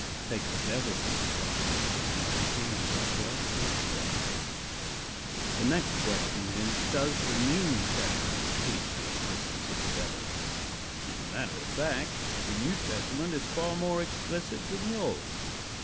III. TAKE THE DEVIL FROM THE DRAMA OF CHRISTIANITY AND THE PLOT IS GONE. The next question is: Does the New Testament teach the existence of the Devil? As a matter of fact, the New Testament is far more explicit than the Old.